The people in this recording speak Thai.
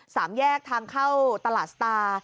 สามแยกทางเข้าตลาดสตาร์